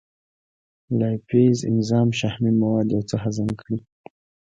لایپیز انزایم شحمي مواد یو څه هضم کړي.